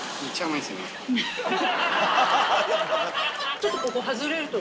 ちょっとここ外れると。